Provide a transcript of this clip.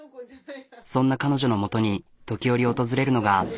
そんな彼女のもとに時折訪れるのが。